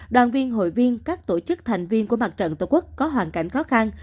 đoàn viên hội viên các tổ chức thành viên của mặt trận tổ quốc có hoàn cảnh khó khăn